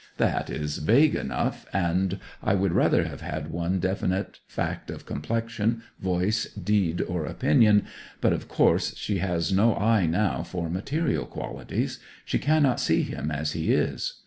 That is vague enough, and I would rather have had one definite fact of complexion, voice, deed, or opinion. But of course she has no eye now for material qualities; she cannot see him as he is.